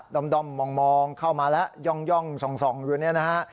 ด้อมมองเข้ามาแล้วย่องส่องอยู่เนี่ยนะฮะ